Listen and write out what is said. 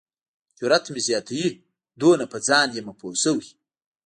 جرات مې زیاتوي دومره په ځان یمه پوه شوی.